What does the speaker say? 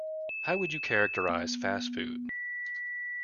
How would you characterize fast food?